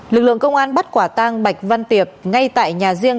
lực lượng công an bắt quả tang bạch văn tiệp ngay tại nhà riêng